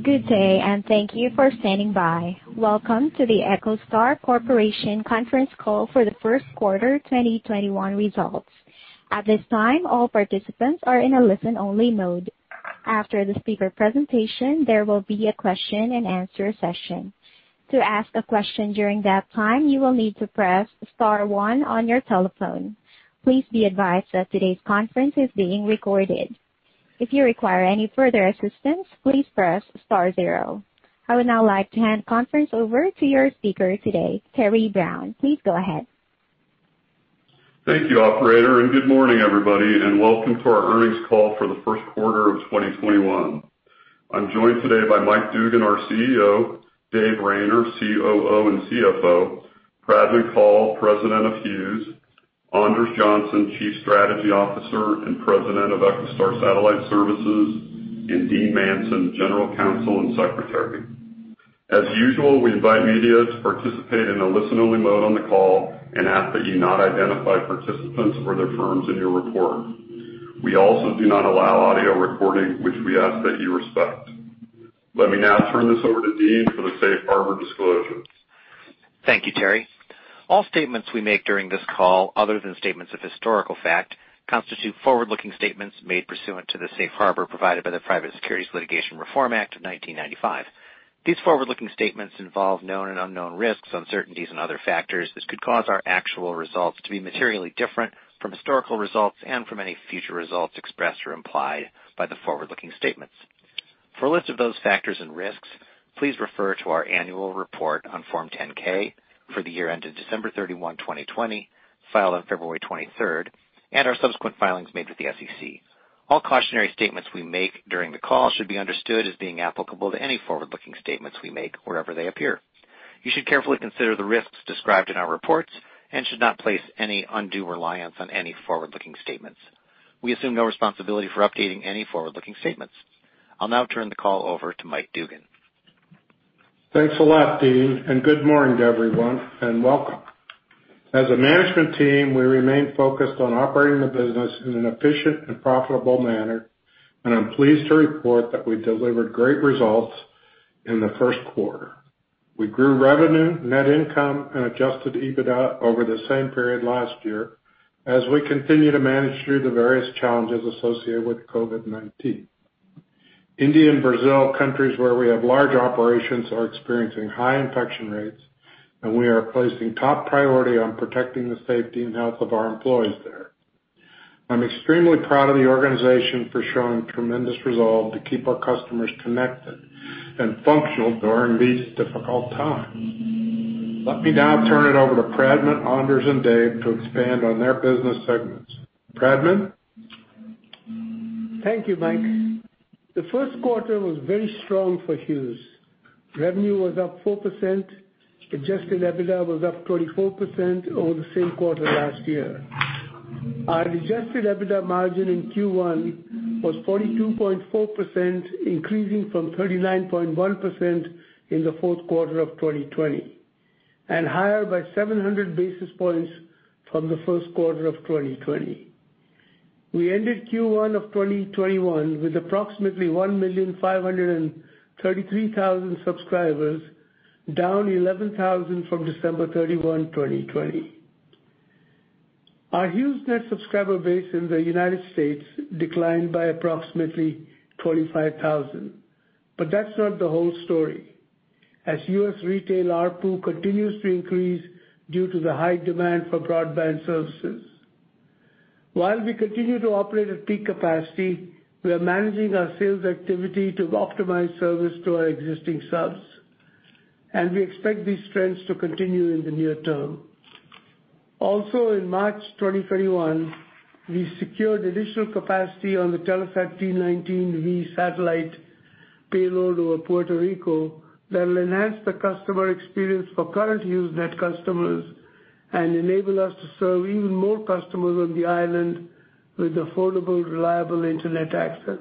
Good day, and thank you for standing by. Welcome to the EchoStar Corporation conference call for the first quarter 2021 results. At this time, all participants are in a listen-only mode. After the speaker presentation, there will be a question and answer session. To ask a question during that time, you will need to press star one on your telephone. Please be advised that today's conference is being recorded. If you require any further assistance, please press star zero. I would now like to hand conference over to your speaker today, Terry Brown. Please go ahead. Thank you, operator, and good morning, everybody, and welcome to our earnings call for the first quarter of 2021. I'm joined today by Michael Dugan, our CEO, David Rayner, COO and CFO, Pradman Kaul, President of Hughes, Anders Johnson, Chief Strategy Officer and President of EchoStar Satellite Services, and Dean Manson, General Counsel and Secretary. As usual, we invite media to participate in a listen-only mode on the call and ask that you not identify participants or their firms in your report. We also do not allow audio recording, which we ask that you respect. Let me now turn this over to Dean for the safe harbor disclosures. Thank you, Terry. All statements we make during this call, other than statements of historical fact, constitute forward-looking statements made pursuant to the safe harbor provided by the Private Securities Litigation Reform Act of 1995. These forward-looking statements involve known and unknown risks, uncertainties, and other factors that could cause our actual results to be materially different from historical results and from any future results expressed or implied by the forward-looking statements. For a list of those factors and risks, please refer to our annual report on Form 10-K for the year ended December 31, 2020, filed on February 23rd, and our subsequent filings made with the SEC. All cautionary statements we make during the call should be understood as being applicable to any forward-looking statements we make wherever they appear. You should carefully consider the risks described in our reports and should not place any undue reliance on any forward-looking statements. We assume no responsibility for updating any forward-looking statements. I'll now turn the call over to Michael Dugan. Thanks a lot, Dean. Good morning to everyone and welcome. As a management team, we remain focused on operating the business in an efficient and profitable manner, and I'm pleased to report that we delivered great results in the first quarter. We grew revenue, net income, and adjusted EBITDA over the same period last year as we continue to manage through the various challenges associated with COVID-19. India and Brazil, countries where we have large operations, are experiencing high infection rates, and we are placing top priority on protecting the safety and health of our employees there. I'm extremely proud of the organization for showing tremendous resolve to keep our customers connected and functional during these difficult times. Let me now turn it over to Pradman, Anders, and Dave to expand on their business segments. Pradman? Thank you, Mike. The first quarter was very strong for Hughes. Revenue was up 4%. Adjusted EBITDA was up 24% over the same quarter last year. Our adjusted EBITDA margin in Q1 was 42.4%, increasing from 39.1% in the fourth quarter of 2020, and higher by 700 basis points from the first quarter of 2020. We ended Q1 of 2021 with approximately 1,533,000 subscribers, down 11,000 from December 31, 2020. Our HughesNet subscriber base in the U.S. declined by approximately 25,000, but that's not the whole story. As U.S. retail ARPU continues to increase due to the high demand for broadband services. While we continue to operate at peak capacity, we are managing our sales activity to optimize service to our existing subs, and we expect these trends to continue in the near term. Also, in March 2021, we secured additional capacity on the Telstar 19V satellite payload over Puerto Rico that will enhance the customer experience for current HughesNet customers and enable us to serve even more customers on the island with affordable, reliable internet access.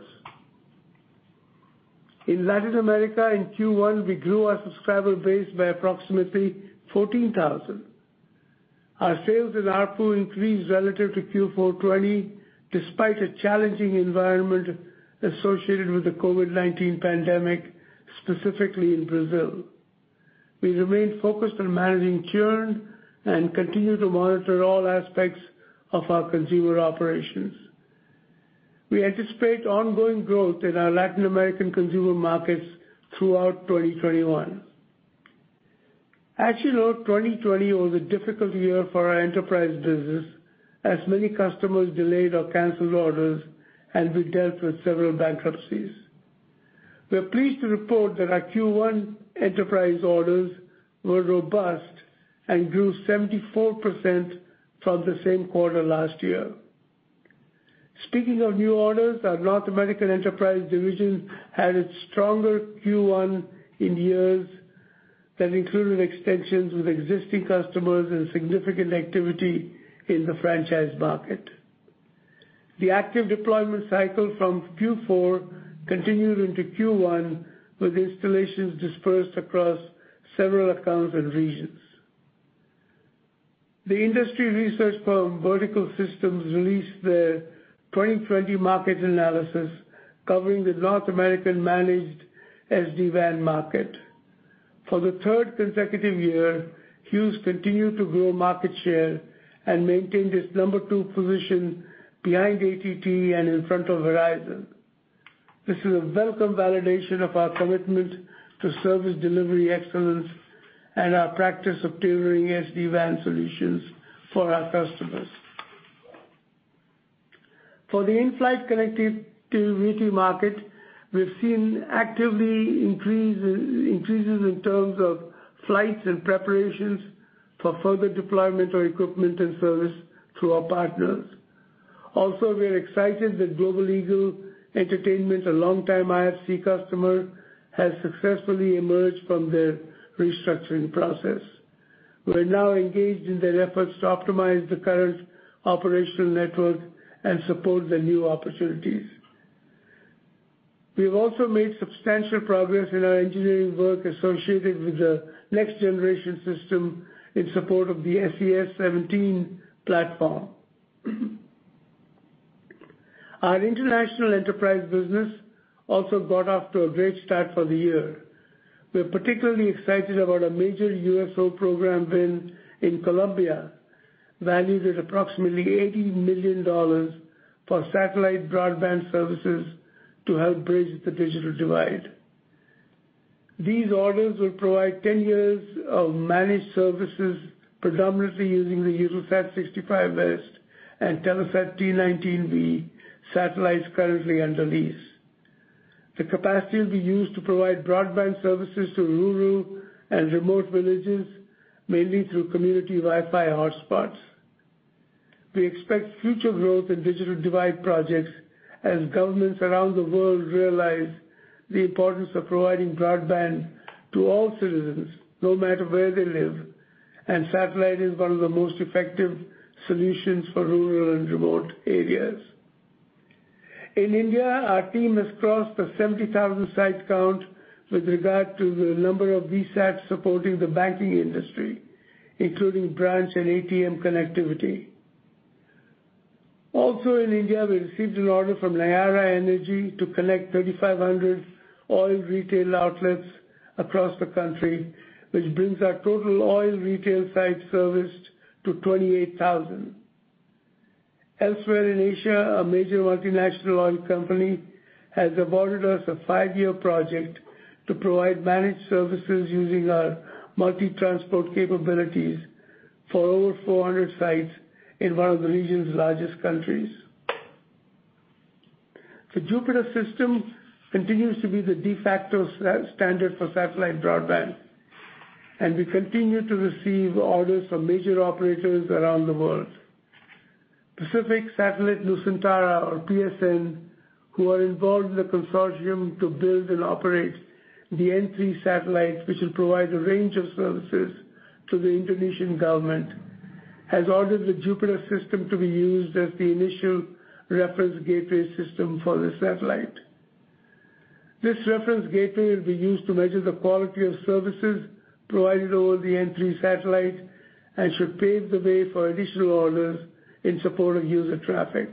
In Latin America in Q1, we grew our subscriber base by approximately 14,000. Our sales and ARPU increased relative to Q4 2020, despite a challenging environment associated with the COVID-19 pandemic, specifically in Brazil. We remain focused on managing churn and continue to monitor all aspects of our consumer operations. We anticipate ongoing growth in our Latin American consumer markets throughout 2021. As you know, 2020 was a difficult year for our enterprise business as many customers delayed or canceled orders, and we dealt with several bankruptcies. We're pleased to report that our Q1 enterprise orders were robust and grew 74% from the same quarter last year. Speaking of new orders, our North American enterprise division had its stronger Q1 in years that included extensions with existing customers and significant activity in the franchise market. The active deployment cycle from Q4 continued into Q1 with installations dispersed across several accounts and regions. The industry research firm, Vertical Systems, released their 2020 market analysis covering the North American managed SD-WAN market. For the third consecutive year, Hughes continued to grow market share and maintain its number two position behind AT&T and in front of Verizon. This is a welcome validation of our commitment to service delivery excellence and our practice of tailoring SD-WAN solutions for our customers. For the in-flight connectivity market, we've seen active increases in terms of flights and preparations for further deployment of equipment and service through our partners. We are excited that Global Eagle Entertainment, a long time IFC customer, has successfully emerged from their restructuring process. We're now engaged in their efforts to optimize the current operational network and support the new opportunities. We have also made substantial progress in our engineering work associated with the next generation system in support of the SES-17 platform. Our international enterprise business also got off to a great start for the year. We're particularly excited about a major USO program win in Colombia, valued at approximately $80 million for satellite broadband services to help bridge the digital divide. These orders will provide 10 years of managed services, predominantly using the EUTELSAT 65 West A and Telesat 19V satellites currently under lease. The capacity will be used to provide broadband services to rural and remote villages, mainly through community Wi-Fi hotspots. We expect future growth in digital divide projects as governments around the world realize the importance of providing broadband to all citizens, no matter where they live, and satellite is one of the most effective solutions for rural and remote areas. In India, our team has crossed the 70,000 site count with regard to the number of VSATs supporting the banking industry, including branch and ATM connectivity. Also in India, we received an order from Nayara Energy to connect 3,500 oil retail outlets across the country, which brings our total oil retail site service to 28,000. Elsewhere in Asia, a major multinational oil company has awarded us a five-year project to provide managed services using our multi-transport capabilities for over 400 sites in one of the region's largest countries. The JUPITER system continues to be the de facto standard for satellite broadband, and we continue to receive orders from major operators around the world. Pasifik Satelit Nusantara or PSN, who are involved in the consortium to build and operate the N3 satellite, which will provide a range of services to the Indonesian government, has ordered the JUPITER system to be used as the initial reference gateway system for the satellite. This reference gateway will be used to measure the quality of services provided over the N3 satellite and should pave the way for additional orders in support of user traffic.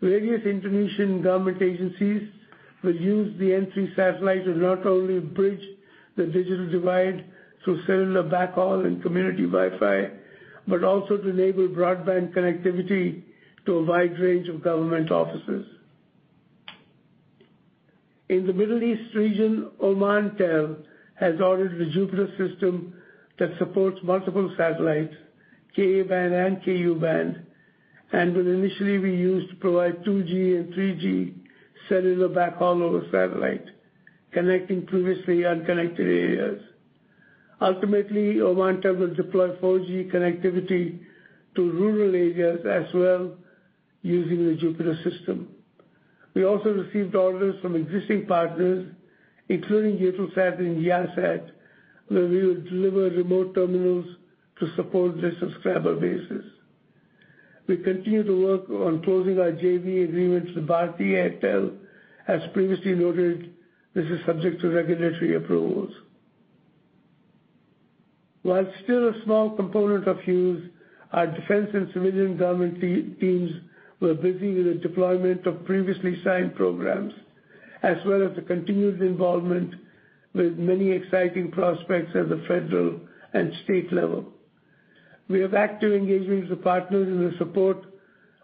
Various Indonesian government agencies will use the N3 satellite to not only bridge the digital divide through cellular backhaul and community Wi-Fi, but also to enable broadband connectivity to a wide range of government offices. In the Middle East region, Omantel has ordered the JUPITER system that supports multiple satellites, Ka-band and Ku-band, and will initially be used to provide 2G and 3G cellular backhaul over satellite, connecting previously unconnected areas. Ultimately, Omantel will deploy 4G connectivity to rural areas as well using the JUPITER system. We also received orders from existing partners, including Eutelsat and Yahsat, where we will deliver remote terminals to support their subscriber bases. We continue to work on closing our JV agreement with Bharti Airtel. As previously noted, this is subject to regulatory approvals. While still a small component of Hughes, our defense and civilian government teams were busy with the deployment of previously signed programs, as well as the continued involvement with many exciting prospects at the federal and state level. We are actively engaging with the partners in the support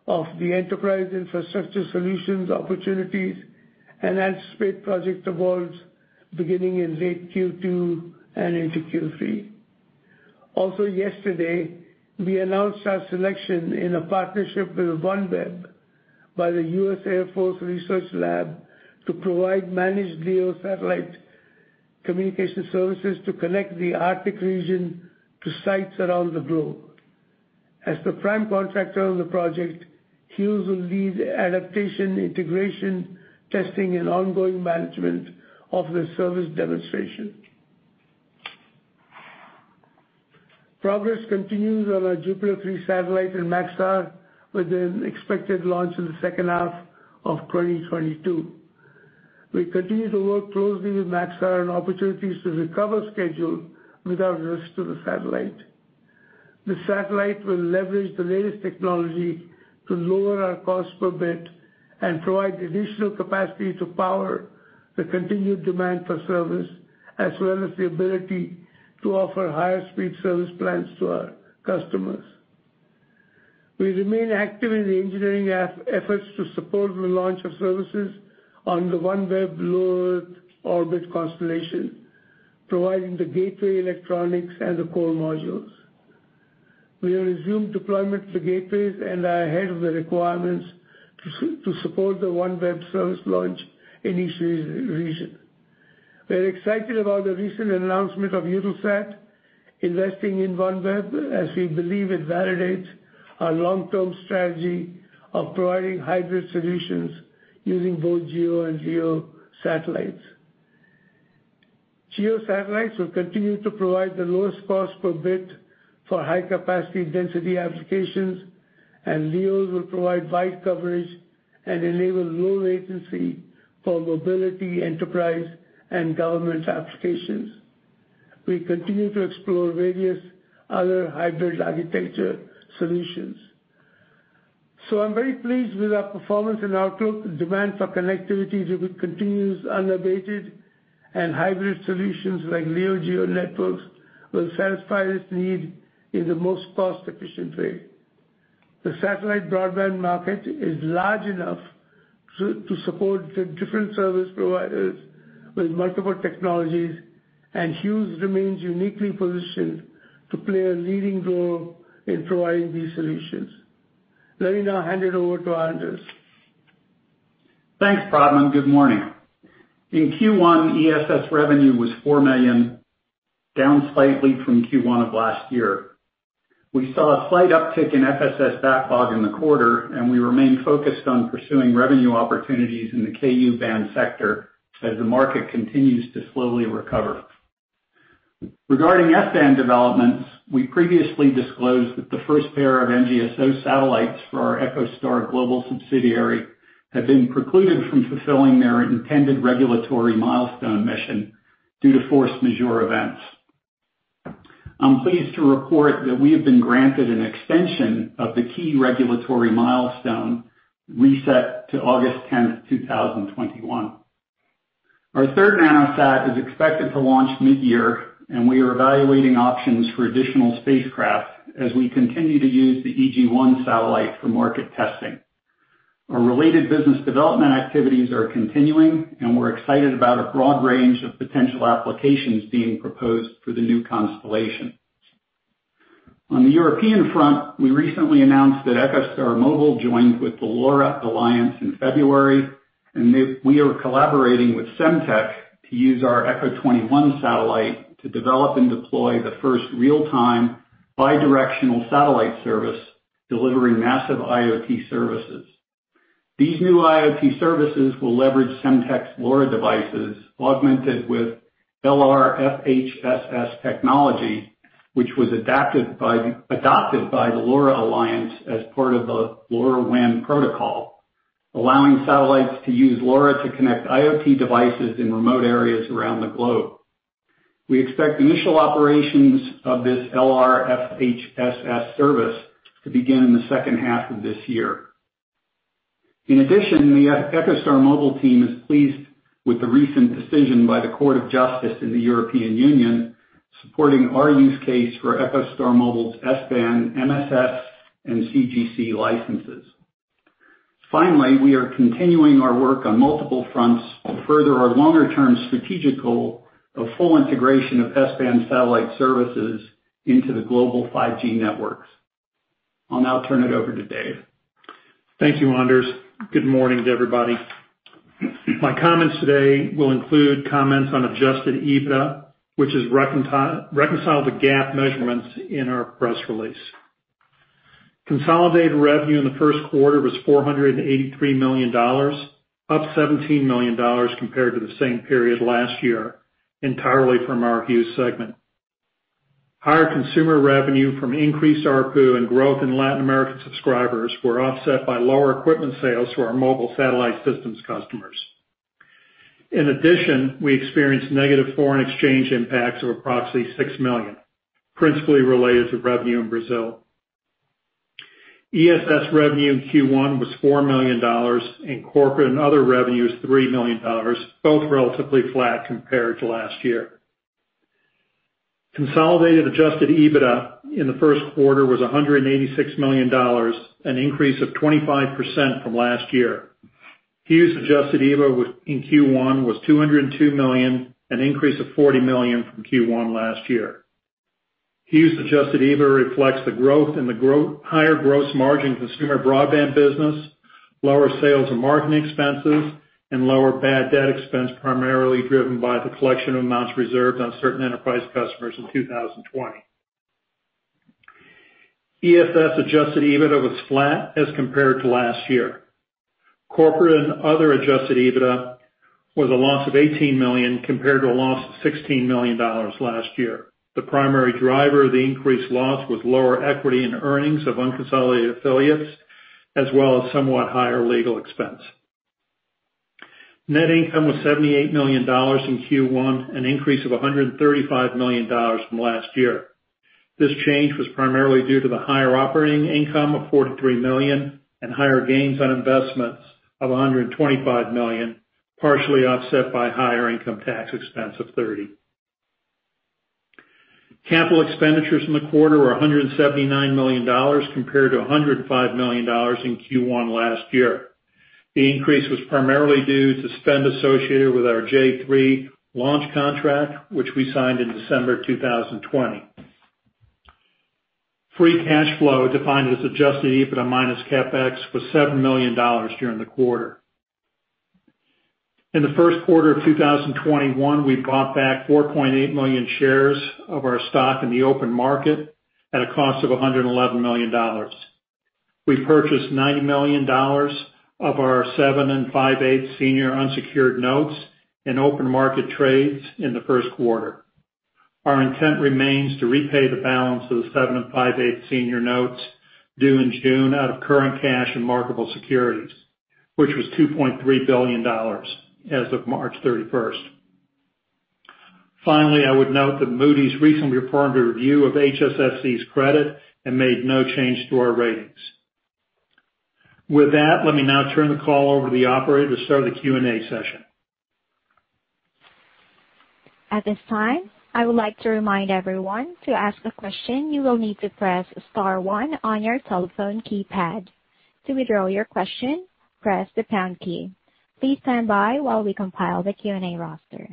of the enterprise infrastructure solutions opportunities and anticipate project awards beginning in late Q2 and into Q3. Also yesterday, we announced our selection in a partnership with OneWeb by the U.S. Air Force Research Lab to provide managed LEO satellite communication services to connect the Arctic region to sites around the globe. As the prime contractor on the project, Hughes will lead adaptation, integration, testing, and ongoing management of the service demonstration. Progress continues on our JUPITER 3 satellite and Maxar with an expected launch in the second half of 2022. We continue to work closely with Maxar on opportunities to recover schedule without risk to the satellite. The satellite will leverage the latest technology to lower our cost per bit and provide additional capacity to power the continued demand for service, as well as the ability to offer higher speed service plans to our customers. We remain active in the engineering efforts to support the launch of services on the OneWeb low Earth orbit constellation, providing the gateway electronics and the core modules. We have resumed deployment for gateways and are ahead of the requirements to support the OneWeb service launch in each region. We're excited about the recent announcement of Eutelsat investing in OneWeb, as we believe it validates our long-term strategy of providing hybrid solutions using both GEO and GEO satellites. GEO satellites will continue to provide the lowest cost per bit for high-capacity density applications, and LEOs will provide wide coverage and enable low latency for mobility, enterprise, and government applications. We continue to explore various other hybrid architecture solutions. I'm very pleased with our performance and outlook. The demand for connectivity continues unabated, and hybrid solutions like LEO-GEO networks will satisfy this need in the most cost-efficient way. The satellite broadband market is large enough to support the different service providers with multiple technologies, and Hughes remains uniquely positioned to play a leading role in providing these solutions. Let me now hand it over to Anders. Thanks, Pradman. Good morning. In Q1, ESS revenue was $4 million, down slightly from Q1 of last year. We saw a slight uptick in FSS backlog in the quarter, and we remain focused on pursuing revenue opportunities in the Ku-band sector as the market continues to slowly recover. Regarding S-band developments, we previously disclosed that the first pair of NGSO satellites for our EchoStar Global subsidiary have been precluded from fulfilling their intended regulatory milestone mission due to force majeure events. I'm pleased to report that we have been granted an extension of the key regulatory milestone reset to August 10th, 2021. Our third nanosat is expected to launch mid-year, and we are evaluating options for additional spacecraft as we continue to use the EG-1 satellite for market testing. Our related business development activities are continuing, and we're excited about a broad range of potential applications being proposed for the new constellation. On the European front, we recently announced that EchoStar Mobile joined with the LoRa Alliance in February, and we are collaborating with Semtech to use our EchoStar 21 satellite to develop and deploy the first real-time bi-directional satellite service delivering massive IoT services. These new IoT services will leverage Semtech's LoRa devices augmented with LRFHSS technology, which was adopted by the LoRa Alliance as part of the LoRaWAN protocol, allowing satellites to use LoRa to connect IoT devices in remote areas around the globe. We expect initial operations of this LRFHSS service to begin in the second half of this year. In addition, the EchoStar Mobile team is pleased with the recent decision by the Court of Justice of the European Union supporting our use case for EchoStar Mobile's S-band MSS and CGC licenses. Finally, we are continuing our work on multiple fronts to further our longer-term strategic goal of full integration of S-band satellite services into the global 5G networks. I'll now turn it over to Dave. Thank you, Anders. Good morning to everybody. My comments today will include comments on adjusted EBITDA, which is reconciled to GAAP measurements in our press release. Consolidated revenue in the first quarter was $483 million, up $17 million compared to the same period last year, entirely from our Hughes segment. Higher consumer revenue from increased ARPU and growth in Latin American subscribers were offset by lower equipment sales to our mobile satellite systems customers. In addition, we experienced negative foreign exchange impacts of approximately $6 million, principally related to revenue in Brazil. ESS revenue in Q1 was $4 million, and corporate and other revenue was $3 million, both relatively flat compared to last year. Consolidated adjusted EBITDA in the first quarter was $186 million, an increase of 25% from last year. Hughes adjusted EBITDA in Q1 was $202 million, an increase of $40 million from Q1 last year. Hughes adjusted EBITDA reflects the growth in the higher gross margin consumer broadband business, lower sales and marketing expenses, and lower bad debt expense, primarily driven by the collection of amounts reserved on certain enterprise customers in 2020. EFS adjusted EBITDA was flat as compared to last year. Corporate and other adjusted EBITDA was a loss of $18 million, compared to a loss of $16 million last year. The primary driver of the increased loss was lower equity and earnings of unconsolidated affiliates, as well as somewhat higher legal expense. Net income was $78 million in Q1, an increase of $135 million from last year. This change was primarily due to the higher operating income of $43 million and higher gains on investments of $125 million, partially offset by higher income tax expense of $30. Capital expenditures in the quarter were $179 million compared to $105 million in Q1 last year. The increase was primarily due to spend associated with our JUPITER 3 launch contract, which we signed in December 2020. Free cash flow, defined as adjusted EBITDA minus CapEx, was $7 million during the quarter. In the first quarter of 2021, we bought back 4.8 million shares of our stock in the open market at a cost of $111 million. We purchased $90 million of our 7 5/8 senior unsecured notes in open market trades in the first quarter. Our intent remains to repay the balance of the 7 5/8 senior notes due in June out of current cash and marketable securities, which was $2.3 billion as of March 31st. Finally, I would note that Moody's recently performed a review of HSSC's credit and made no change to our ratings. With that, let me now turn the call over to the operator to start the Q&A session. At this time, I would like to remind everyone, to ask a question, you will need to press star one on your telephone keypad. To withdraw your question, press the pound key. Please stand by while we compile the Q&A roster.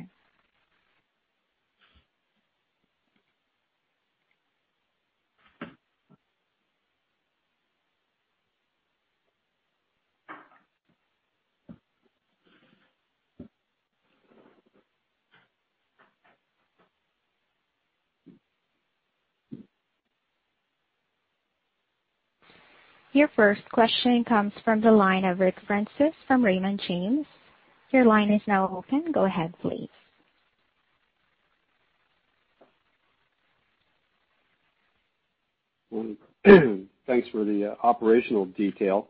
Your first question comes from the line of Ric Prentiss from Raymond James. Your line is now open. Go ahead, please. Thanks for the operational detail.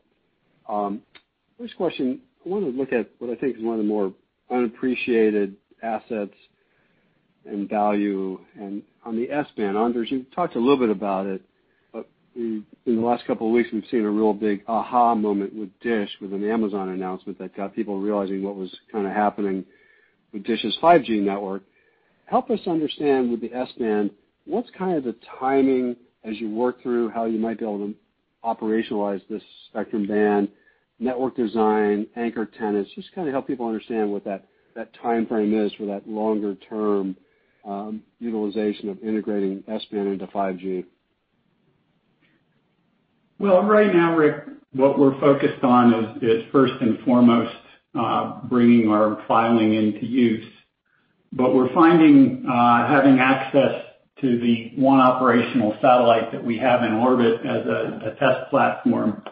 First question, I wanted to look at what I think is one of the more unappreciated assets and value on the S-band. Anders, you've talked a little bit about it. In the last couple of weeks, we've seen a real big aha moment with Dish with an Amazon announcement that got people realizing what was kind of happening with Dish's 5G network. Help us understand with the S-band, what's kind of the timing as you work through how you might be able to operationalize this spectrum band, network design, anchor tenants. Just kind of help people understand what that timeframe is for that longer-term utilization of integrating S-band into 5G. Right now, Ric, what we're focused on is first and foremost, bringing our filing into use. We're finding having access to the one operational satellite that we have in orbit as a test platform,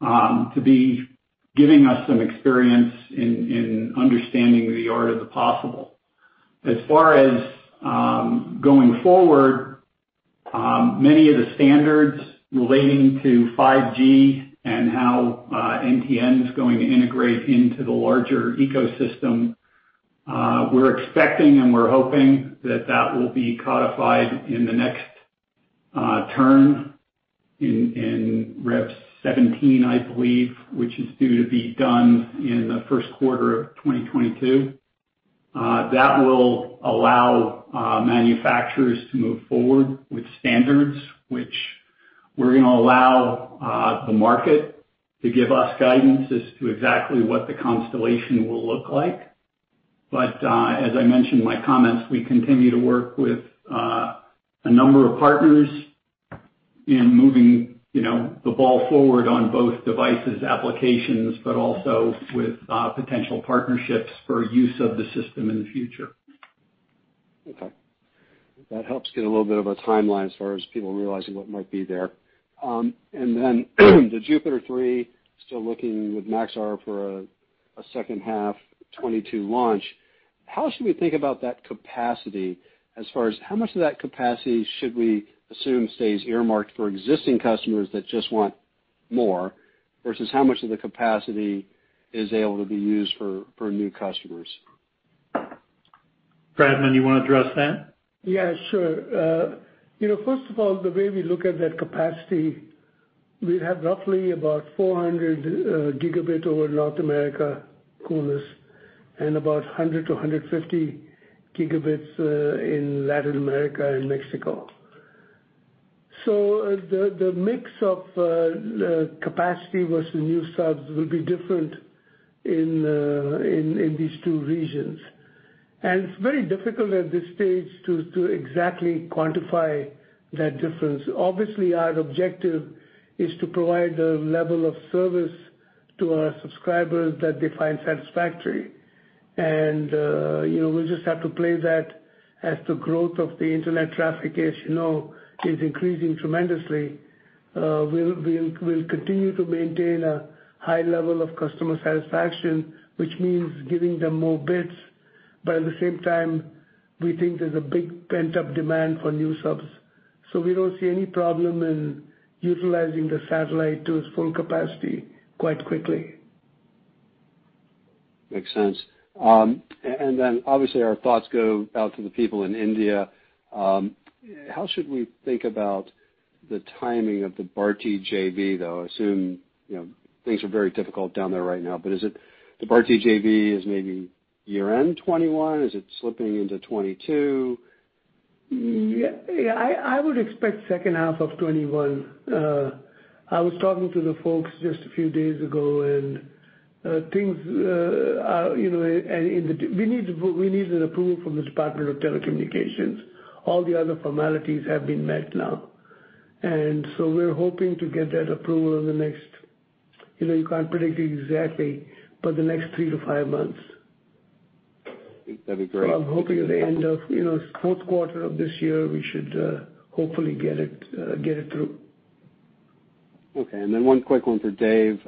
to be giving us some experience in understanding the art of the possible. As far as going forward, many of the standards relating to 5G and how NTN is going to integrate into the larger ecosystem, we're expecting and we're hoping that that will be codified in the next turn in Rel 17, I believe, which is due to be done in the first quarter of 2022. That will allow manufacturers to move forward with standards, which we're going to allow the market to give us guidance as to exactly what the constellation will look like. As I mentioned in my comments, we continue to work with a number of partners in moving the ball forward on both devices, applications, but also with potential partnerships for use of the system in the future. Okay. That helps get a little bit of a timeline as far as people realizing what might be there. The JUPITER 3, still looking with Maxar for a second half 2022 launch. How should we think about that capacity as far as how much of that capacity should we assume stays earmarked for existing customers that just want more, versus how much of the capacity is able to be used for new customers? Pradman, you want to address that? Yeah, sure. First of all, the way we look at that capacity, we have roughly about 400 gigabit over North America covers, and about 100 to 150 gigabits in Latin America and Mexico. The mix of capacity versus new subs will be different in these two regions. It's very difficult at this stage to exactly quantify that difference. Obviously, our objective is to provide a level of service to our subscribers that defines satisfactory. We'll just have to play that as the growth of the internet traffic, as you know, is increasing tremendously. We'll continue to maintain a high level of customer satisfaction, which means giving them more bits. At the same time, we think there's a big pent-up demand for new subs. We don't see any problem in utilizing the satellite to its full capacity quite quickly. Makes sense. Then obviously our thoughts go out to the people in India. How should we think about the timing of the Bharti JV, though? I assume things are very difficult down there right now, but is it the Bharti JV is maybe year-end 2021? Is it slipping into 2022? Yeah. I would expect second half of 2021. I was talking to the folks just a few days ago. We need an approval from the Department of Telecommunications. All the other formalities have been met now. We're hoping to get that approval in the next, you can't predict it exactly, but the next three to five months. That'd be great. I'm hoping at the end of fourth quarter of this year, we should hopefully get it through. Okay. One quick one for Dave.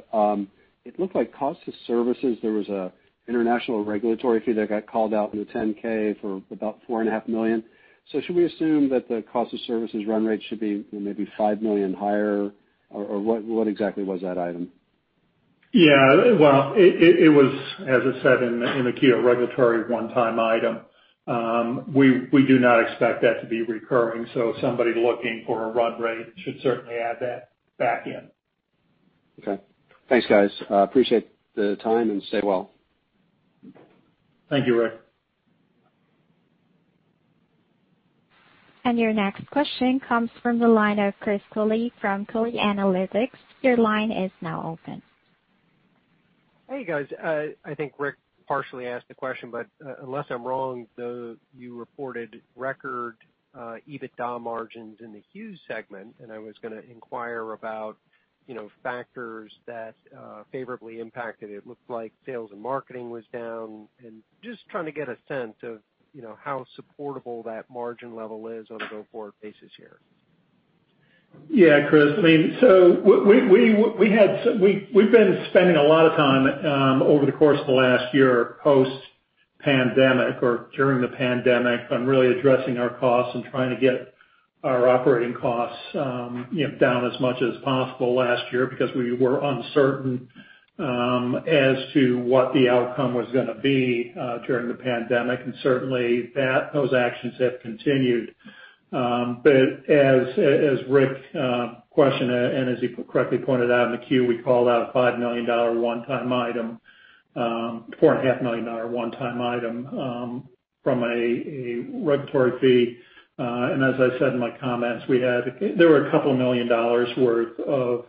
It looked like cost of services, there was a international regulatory fee that got called out in the 10-K for about $4.5 million. Should we assume that the cost of services run rate should be maybe $5 million higher, or what exactly was that item? Yeah. Well, it was, as I said, in the 10-Q, a regulatory one-time item. We do not expect that to be recurring. Somebody looking for a run rate should certainly add that back in. Okay. Thanks, guys. Appreciate the time, and stay well. Thank you, Ric. Your next question comes from the line of Chris Quilty from Quilty Analytics. Your line is now open. Hey, guys. I think Rick partially asked the question, but unless I'm wrong, you reported record EBITDA margins in the Hughes segment. I was going to inquire about factors that favorably impacted. It looked like sales and marketing was down. Just trying to get a sense of how supportable that margin level is on a go-forward basis here. Chris. We've been spending a lot of time over the course of the last year post-pandemic or during the pandemic on really addressing our costs and trying to get our operating costs down as much as possible last year because we were uncertain as to what the outcome was going to be during the pandemic, and certainly those actions have continued. As Rick questioned and as he correctly pointed out in the Q, we called out a $4.5 million one-time item from a regulatory fee. As I said in my comments, there were a couple million dollars worth of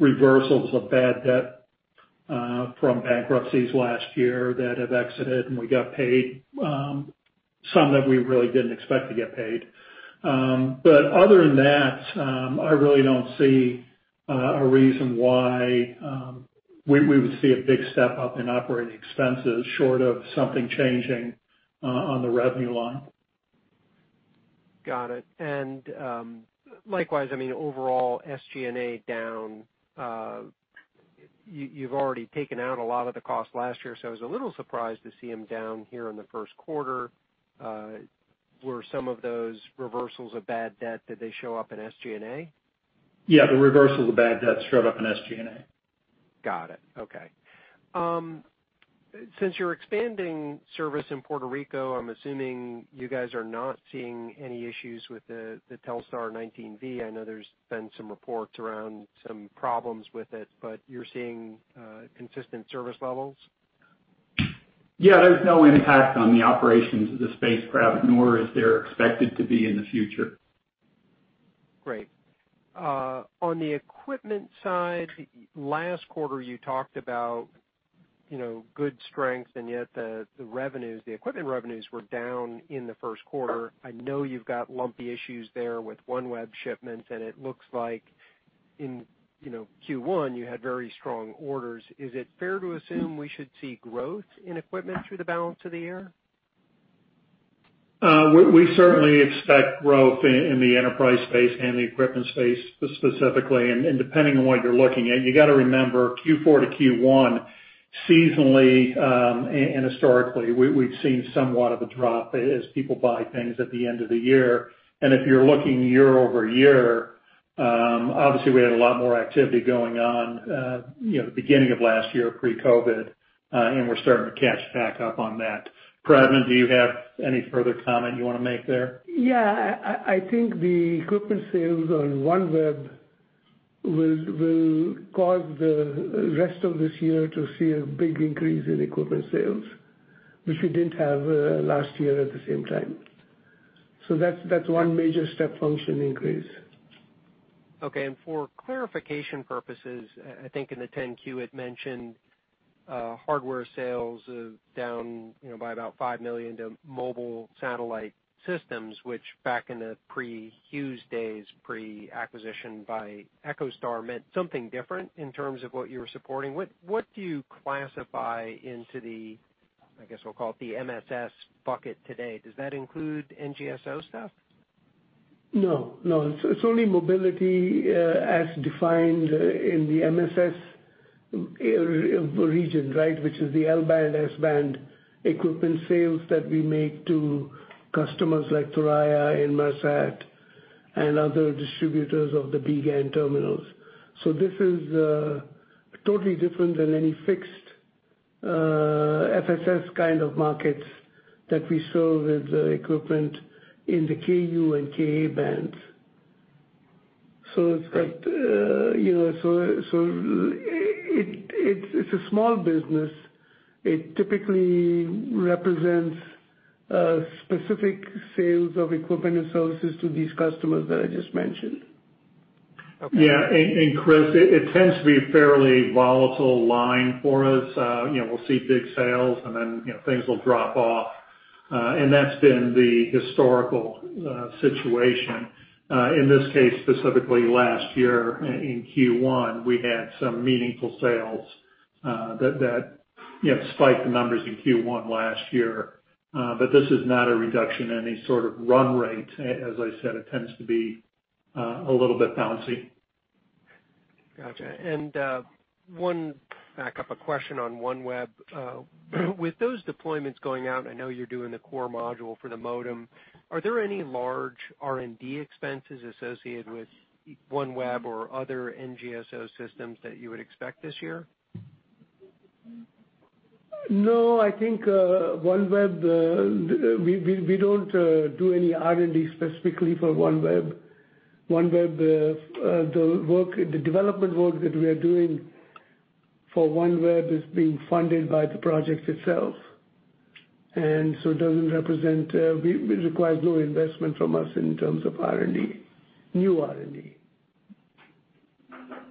reversals of bad debt from bankruptcies last year that have exited, and we got paid some that we really didn't expect to get paid. Other than that, I really don't see a reason why we would see a big step-up in operating expenses short of something changing on the revenue line. Got it. Likewise, overall, SG&A down. You've already taken out a lot of the cost last year, I was a little surprised to see them down here in the first quarter. Were some of those reversals of bad debt, did they show up in SG&A? The reversals of bad debt showed up in SG&A. Got it. Okay. Since you're expanding service in Puerto Rico, I'm assuming you guys are not seeing any issues with the Telesat 19V. I know there's been some reports around some problems with it, you're seeing consistent service levels? Yeah, there's no impact on the operations of the spacecraft, nor is there expected to be in the future. Great. On the equipment side, last quarter you talked about good strength, yet the equipment revenues were down in the first quarter. I know you've got lumpy issues there with OneWeb shipments, it looks like in Q1, you had very strong orders. Is it fair to assume we should see growth in equipment through the balance of the year? We certainly expect growth in the enterprise space and the equipment space specifically, and depending on what you're looking at. You got to remember Q4 to Q1 seasonally and historically, we've seen somewhat of a drop as people buy things at the end of the year. If you're looking year-over-year, obviously we had a lot more activity going on the beginning of last year, pre-COVID-19, and we're starting to catch back up on that. Pradman, do you have any further comment you want to make there? Yeah, I think the equipment sales on OneWeb will cause the rest of this year to see a big increase in equipment sales, which we didn't have last year at the same time. That's one major step function increase. Okay. For clarification purposes, I think in the 10-Q, it mentioned hardware sales down by about $5 million to mobile satellite systems, which back in the pre-Hughes days, pre-acquisition by EchoStar, meant something different in terms of what you were supporting. What do you classify into the, I guess we'll call it the MSS bucket today? Does that include NGSO stuff? No, it's only mobility as defined in the MSS region, right? Which is the L-band, S-band equipment sales that we make to customers like Thuraya and Inmarsat and other distributors of the BGAN terminals. This is totally different than any fixed FSS kind of markets that we serve with the equipment in the Ku and Ka bands. It's a small business. It typically represents specific sales of equipment and services to these customers that I just mentioned. Okay. Yeah, Chris, it tends to be a fairly volatile line for us. We'll see big sales and then things will drop off. That's been the historical situation. In this case, specifically last year in Q1, we had some meaningful sales that spiked the numbers in Q1 last year. This is not a reduction in any sort of run rate. As I said, it tends to be a little bit bouncy. Got you. One backup question on OneWeb. With those deployments going out, I know you're doing the core module for the modem, are there any large R&D expenses associated with OneWeb or other NGSO systems that you would expect this year? No, I think OneWeb, we don't do any R&D specifically for OneWeb. OneWeb, the development work that we are doing for OneWeb is being funded by the project itself, and so it requires no investment from us in terms of R&D, new R&D.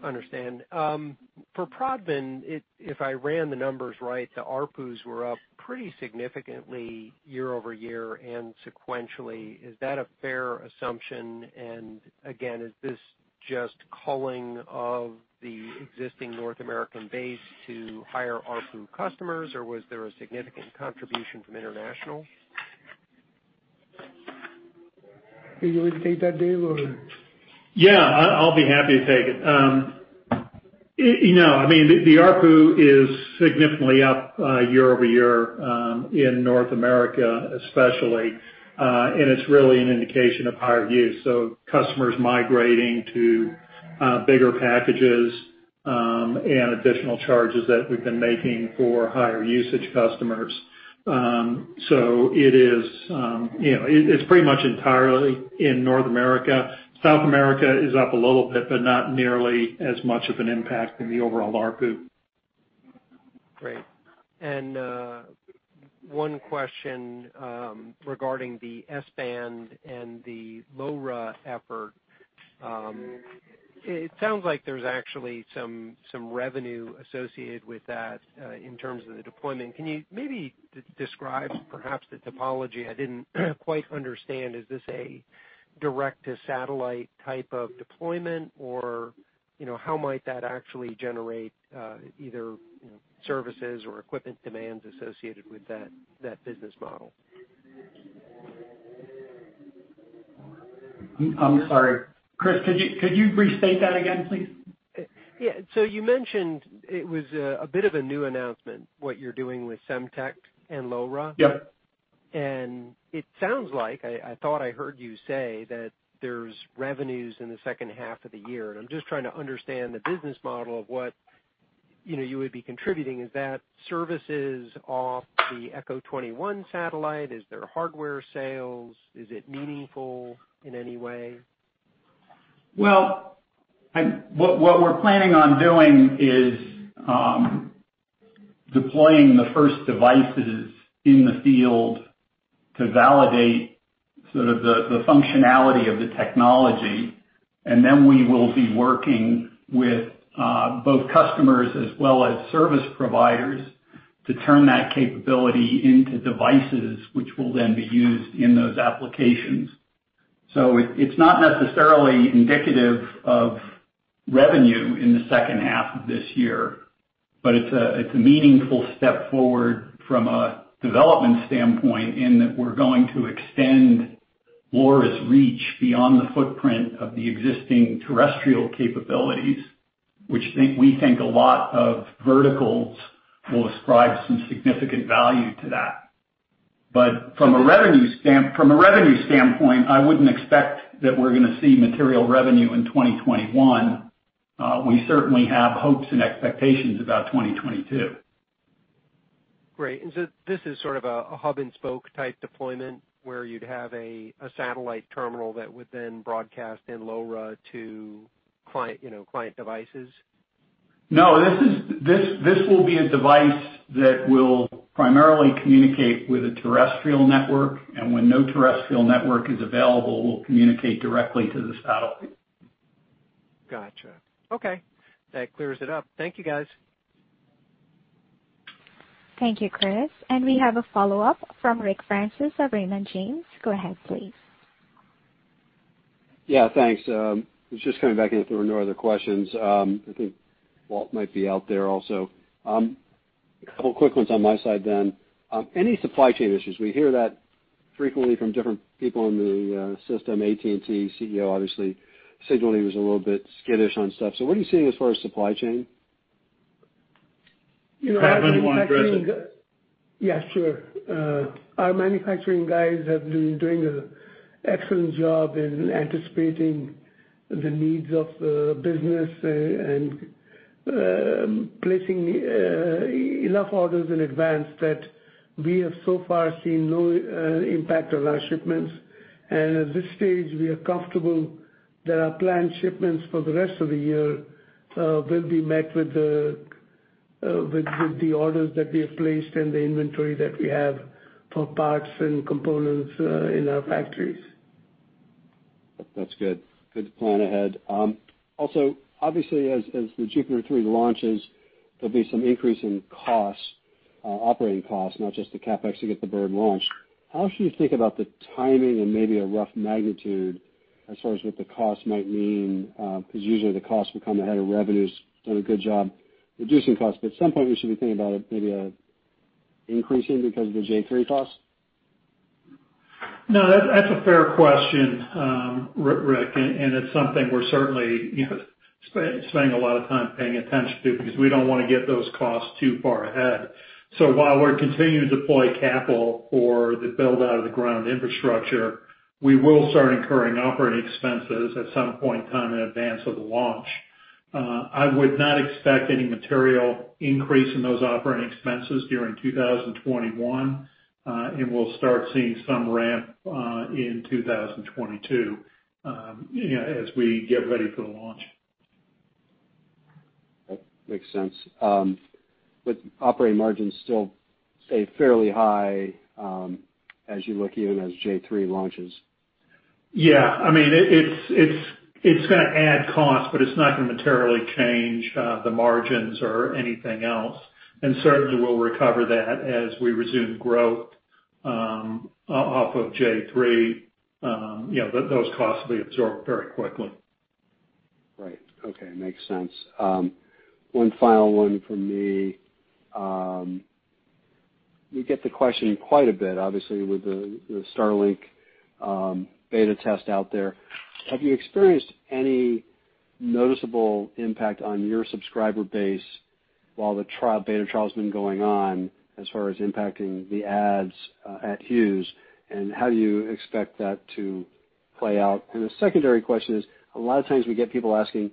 Understand. For broadband, if I ran the numbers right, the ARPUs were up pretty significantly year-over-year and sequentially. Is that a fair assumption? Again, is this just culling of the existing North American base to higher ARPU customers, or was there a significant contribution from international? You want to take that, Dave, or? Yeah, I'll be happy to take it. I mean, the ARPU is significantly up year-over-year, in North America especially. It's really an indication of higher use, so customers migrating to bigger packages, and additional charges that we've been making for higher usage customers. It's pretty much entirely in North America. South America is up a little bit, but not nearly as much of an impact in the overall ARPU. Great. One question regarding the S-band and the LoRa effort. It sounds like there's actually some revenue associated with that in terms of the deployment. Can you maybe describe perhaps the topology? I didn't quite understand. Is this a direct-to-satellite type of deployment or how might that actually generate either services or equipment demands associated with that business model? I'm sorry, Chris, could you restate that again, please? Yeah. You mentioned it was a bit of a new announcement, what you're doing with Semtech and LoRa. Yep. It sounds like, I thought I heard you say that there's revenues in the second half of the year, and I'm just trying to understand the business model of what you would be contributing. Is that services off the EchoStar 21 satellite? Is there hardware sales? Is it meaningful in any way? What we're planning on doing is deploying the first devices in the field to validate sort of the functionality of the technology, and then we will be working with both customers as well as service providers to turn that capability into devices, which will then be used in those applications. It's not necessarily indicative of revenue in the second half of this year, but it's a meaningful step forward from a development standpoint in that we're going to extend LoRa's reach beyond the footprint of the existing terrestrial capabilities, which we think a lot of verticals will ascribe some significant value to that. From a revenue standpoint, I wouldn't expect that we're going to see material revenue in 2021. We certainly have hopes and expectations about 2022. Great. This is sort of a hub and spoke type deployment where you'd have a satellite terminal that would then broadcast in LoRa to client devices? No, this will be a device that will primarily communicate with a terrestrial network, and when no terrestrial network is available, will communicate directly to the satellite. Got you. Okay. That clears it up. Thank you, guys. Thank you, Chris. We have a follow-up from Ric Prentiss of Raymond James. Go ahead, please. Yeah, thanks. Was just coming back in if there were no other questions. I think Walt might be out there also. A couple of quick ones on my side then. Any supply chain issues? We hear that frequently from different people in the system. AT&T CEO obviously signaling he was a little bit skittish on stuff. What are you seeing as far as supply chain? You know, our manufacturing- Pradman Kaul, why don't you address it? Yeah, sure. Our manufacturing guys have been doing an excellent job in anticipating the needs of the business and placing enough orders in advance that we have so far seen no impact on our shipments. At this stage, we are comfortable that our planned shipments for the rest of the year will be met with the orders that we have placed and the inventory that we have for parts and components in our factories. That's good. Good to plan ahead. Obviously as the JUPITER 3 launches, there'll be some increase in operating costs, not just the CapEx to get the bird launched. How should you think about the timing and maybe a rough magnitude as far as what the cost might mean? Usually the costs become ahead of revenues. Done a good job reducing costs, at some point we should be thinking about it maybe increasing because of the J3 costs. No, that's a fair question, Ric. It's something we're certainly spending a lot of time paying attention to, we don't want to get those costs too far ahead. While we're continuing to deploy capital for the build-out of the ground infrastructure, we will start incurring operating expenses at some point in time in advance of the launch. I would not expect any material increase in those operating expenses during 2021. We'll start seeing some ramp in 2022 as we get ready for the launch. That makes sense. Would operating margins still stay fairly high, as you look even as J3 launches? Yeah. It's going to add cost, but it's not going to materially change the margins or anything else. Certainly, we'll recover that as we resume growth off of J3. Those costs will be absorbed very quickly. Right. Okay, makes sense. One final one from me. We get the question quite a bit, obviously, with the Starlink beta test out there. Have you experienced any noticeable impact on your subscriber base while the beta trial's been going on as far as impacting the ads at Hughes, and how do you expect that to play out? The secondary question is, a lot of times we get people asking,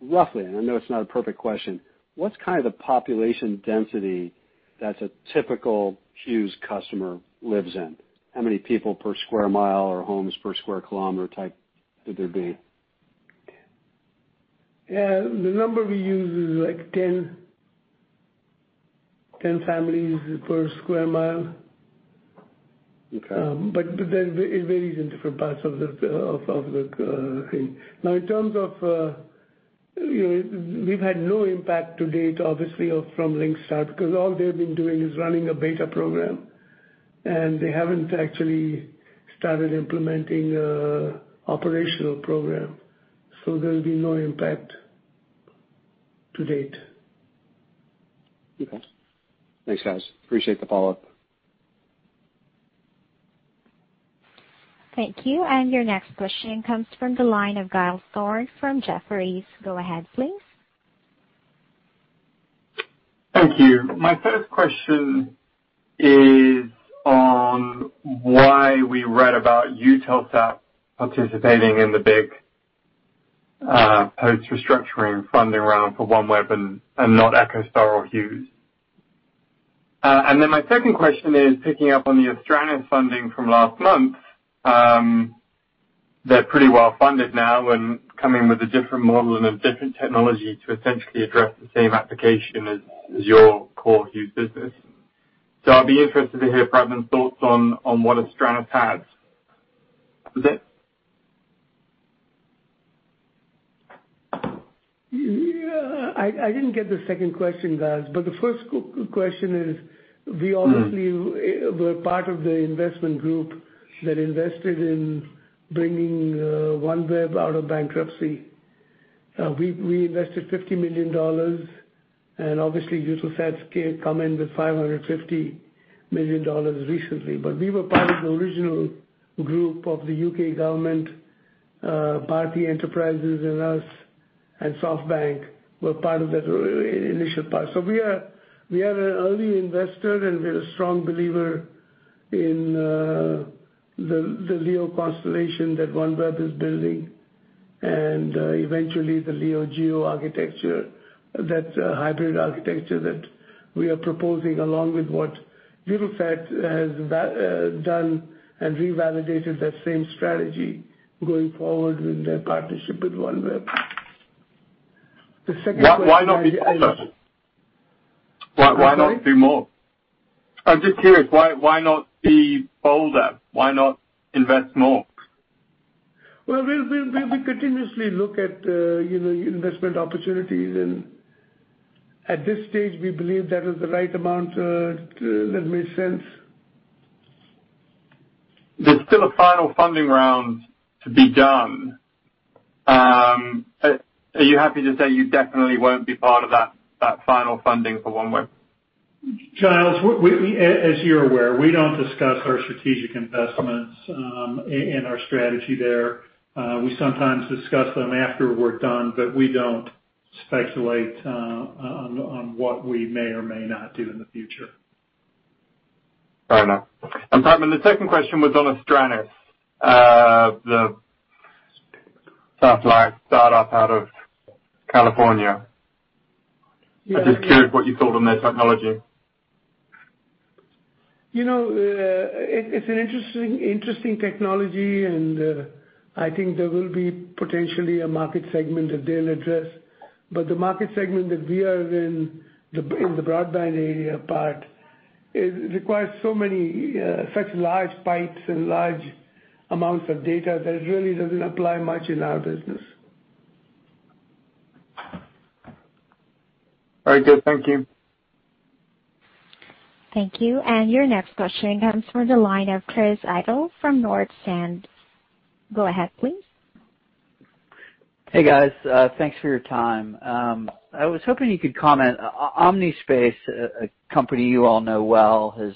roughly, and I know it's not a perfect question, what's the population density that a typical Hughes customer lives in? How many people per square mile or homes per square kilometer type would there be? The number we use is 10 families per square mile. Okay. It varies in different parts of the thing. In terms of, we've had no impact to date, obviously, from Starlink, because all they've been doing is running a beta program, and they haven't actually started implementing an operational program. There'll be no impact to date. Okay. Thanks, guys. Appreciate the follow-up. Thank you. Your next question comes from the line of Giles Thorne from Jefferies. Go ahead, please. Thank you. My first question is on why we read about Eutelsat participating in the big post-restructuring funding round for OneWeb and not EchoStar or Hughes. My second question is picking up on the Astranis funding from last month. They're pretty well funded now and come in with a different model and a different technology to essentially address the same application as your core Hughes business. I'll be interested to hear Pradman Kaul's thoughts on what Astranis has. Yeah. I didn't get the second question, Giles. The first question is, we obviously were part of the investment group that invested in bringing OneWeb out of bankruptcy. We invested $50 million, obviously Eutelsat came in with $550 million recently. We were part of the original group of the U.K. government, Bharti Enterprises and us, SoftBank were part of that initial part. We are an early investor, we're a strong believer in the LEO constellation that OneWeb is building and eventually the LEO-GEO architecture, that hybrid architecture that we are proposing, along with what Eutelsat has done and revalidated that same strategy going forward with their partnership with OneWeb. The second question, I didn't- Why not do more? I'm sorry? Why not do more? I'm just curious, why not be bolder? Why not invest more? Well, we continuously look at investment opportunities, and at this stage, we believe that is the right amount that made sense. There's still a final funding round to be done. Are you happy to say you definitely won't be part of that final funding for OneWeb? Giles, as you're aware, we don't discuss our strategic investments and our strategy there. We sometimes discuss them after we're done, but we don't speculate on what we may or may not do in the future. Fair enough. Pardon, the second question was on Astranis. The satellite startup out of California. Yeah. I'm just curious what you thought on their technology. It's an interesting technology. I think there will be potentially a market segment that they'll address. The market segment that we are in the broadband area part, it requires such large pipes and large amounts of data that it really doesn't apply much in our business. Very good. Thank you. Thank you. Your next question comes from the line of Chris Quilty from Northland. Go ahead, please. Hey, guys. Thanks for your time. I was hoping you could comment, Omnispace, a company you all know well, has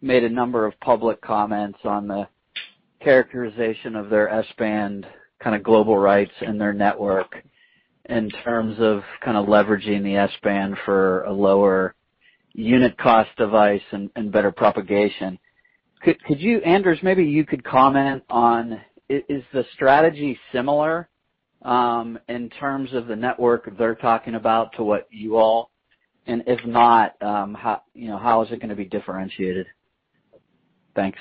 made a number of public comments on the characterization of their S-band global rights and their network in terms of leveraging the S-band for a lower unit cost device and better propagation. Anders, maybe you could comment on, is the strategy similar, in terms of the network they're talking about, to what you all? If not, how is it going to be differentiated? Thanks.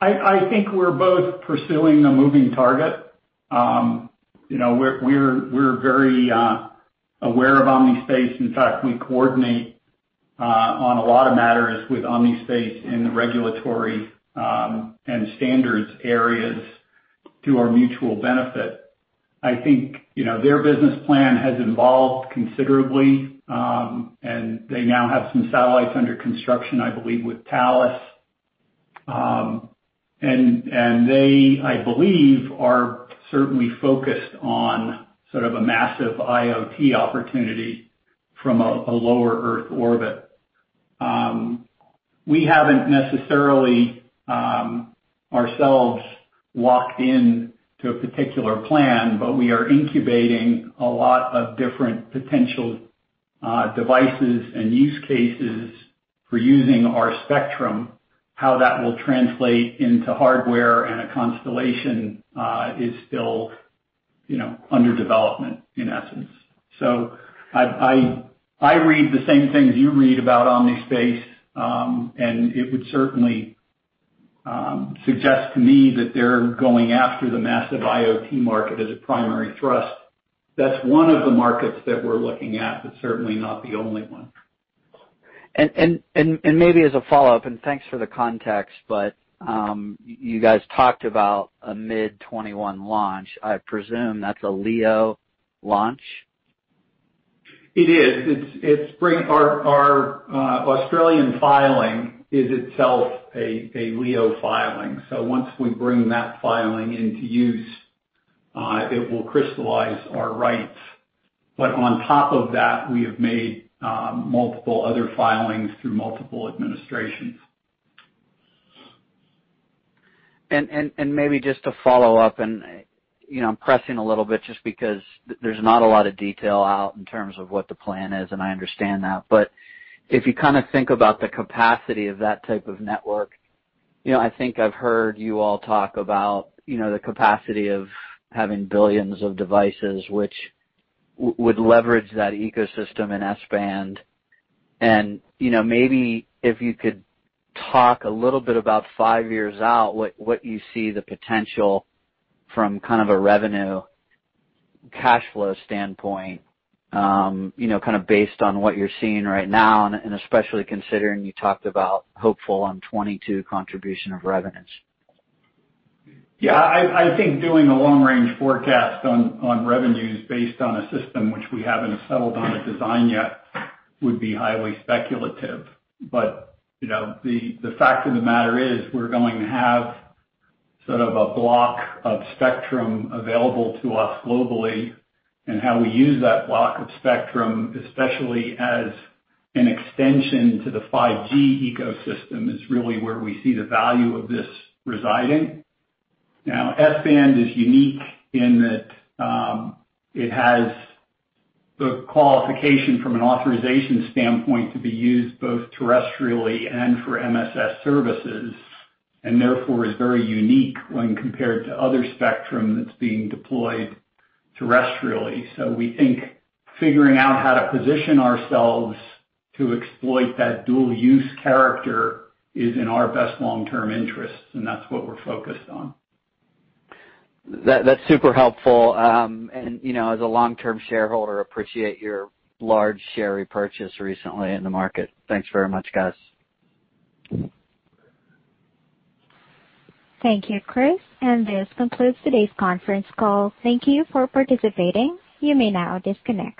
I think we're both pursuing a moving target. We're very aware of Omnispace. In fact, we coordinate on a lot of matters with Omnispace in the regulatory, and standards areas to our mutual benefit. I think their business plan has evolved considerably, and they now have some satellites under construction, I believe, with Thales. They, I believe, are certainly focused on sort of a massive IoT opportunity from a lower Earth orbit. We haven't necessarily ourselves locked in to a particular plan, but we are incubating a lot of different potential devices and use cases for using our spectrum. How that will translate into hardware and a constellation, is still under development, in essence. I read the same things you read about Omnispace, and it would certainly suggest to me that they're going after the massive IoT market as a primary thrust. That's one of the markets that we're looking at, but certainly not the only one. Maybe as a follow-up, thanks for the context, you guys talked about a mid 2021 launch. I presume that's a LEO launch? It is. Our Australian filing is itself a LEO filing. Once we bring that filing into use, it will crystallize our rights. On top of that, we have made multiple other filings through multiple administrations. Maybe just to follow up and, I'm pressing a little bit just because there's not a lot of detail out in terms of what the plan is, and I understand that. If you think about the capacity of that type of network, I think I've heard you all talk about the capacity of having billions of devices which would leverage that ecosystem in S-band. Maybe if you could talk a little bit about five years out, what you see the potential from kind of a revenue cash flow standpoint, based on what you're seeing right now, and especially considering you talked about hopeful on 2022 contribution of revenues. Yeah, I think doing a long-range forecast on revenues based on a system which we haven't settled on a design yet would be highly speculative. The fact of the matter is, we're going to have sort of a block of spectrum available to us globally, and how we use that block of spectrum, especially as an extension to the 5G ecosystem, is really where we see the value of this residing. Now, S-band is unique in that it has the qualification from an authorization standpoint to be used both terrestrially and for MSS services, and therefore is very unique when compared to other spectrum that's being deployed terrestrially. We think figuring out how to position ourselves to exploit that dual use character is in our best long-term interests, and that's what we're focused on. That's super helpful. As a long-term shareholder, appreciate your large share repurchase recently in the market. Thanks very much, guys. Thank you, Chris. This concludes today's conference call. Thank you for participating. You may now disconnect.